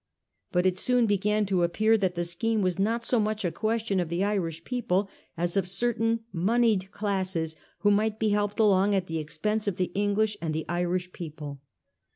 But it soon began to appear that the scheme was not so much a question of the Irish people as of certain moneyed classes who might be helped along at the expense of the English and the Irish people.